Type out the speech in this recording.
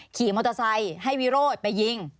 ขี่มอเตอร์ไซค์ให้วิโรธไปยิง